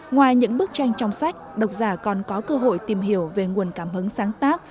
ngoài những bức tranh trong sách độc giả còn có cơ hội tìm hiểu về nguồn cảm hứng sáng tác